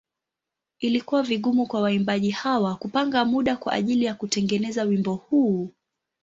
Ilikuwa vigumu kwa waimbaji hawa kupanga muda kwa ajili ya kutengeneza wimbo huu.